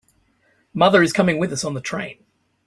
Mother is coming with us on the train.